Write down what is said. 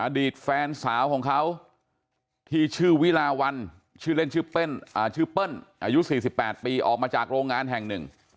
อดีตแฟนสาวของเขาที่ชื่อวิลาวันชื่อเล่นชื่อเปิ้ลอายุ๔๘ปีออกมาจากโรงงานแห่งหนึ่ง